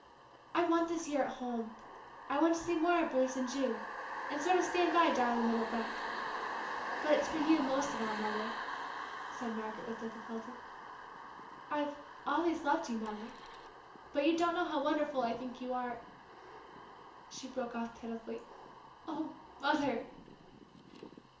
I want this year at home; I want to see more of Bruce and Ju, and sort of stand by darling little Beck! But it's for you, most of all, Mother," said Margaret, with difficulty. "I've always loved you, Mother, but you don't know how wonderful I think you are " She broke off pitifully, "Ah, Mother!"